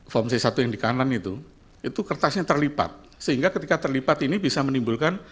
form c satu yang di kanan itu itu kertasnya terlipat sehingga ketika terlipat ini bisa menimbulkan